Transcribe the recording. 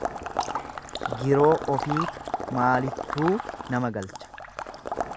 Giroo ofiitu maalittuu nama galcha .